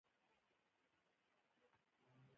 ایا زه باید ګولۍ وکاروم؟